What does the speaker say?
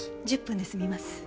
１０分で済みます。